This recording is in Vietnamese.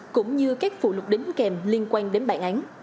cũng như các phụ lục đính kèm liên quan đến bản án